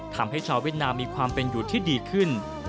ทำให้ชาวเวียดนามมีความเป็นอยู่ที่ดีขึ้น